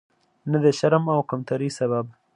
نه د شرم او کمترۍ سبب.